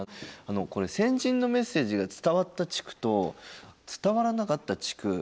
これ先人のメッセージが伝わった地区と伝わらなかった地区